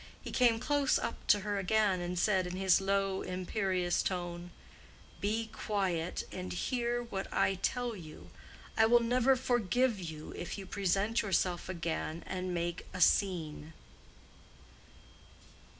He came close up to her again, and said, in his low imperious tone, "Be quiet, and hear what I tell you, I will never forgive you if you present yourself again and make a scene."